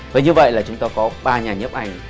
với như vậy là chúng ta có ba nhà nhấp ảnh